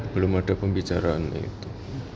belum ada pembicaraan itu